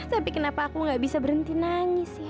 tapi kenapa aku gak bisa berhenti nangis ya